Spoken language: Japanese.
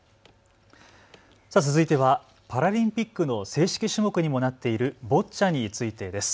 続いてはパラリンピックの正式種目にもなっているボッチャについてです。